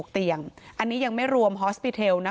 เตียงอันนี้ยังไม่รวมฮอสปิเทลนะ